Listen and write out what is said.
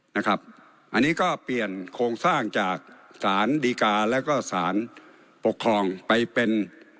นะครับอันนี้ก็เปลี่ยนโครงสร้างจากสารดีกาแล้วก็สารปกครองไปเป็น